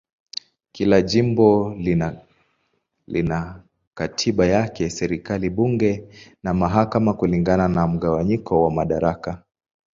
Kila jimbo lina katiba yake, serikali, bunge na mahakama kulingana na mgawanyo wa madaraka.